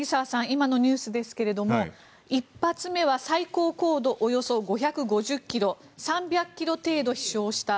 今のニュースですが１発目は最高高度およそ５５０ｋｍ３００ｋｍ程度飛翔した。